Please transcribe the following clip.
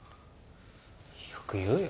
よく言うよ。